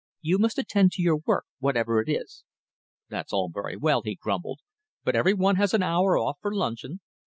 "You must attend to your work, whatever it is." "That's all very well," he grumbled, "but every one has an hour off for luncheon."